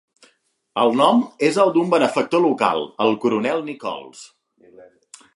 El nom és el d'un benefactor local, el coronel Nichols.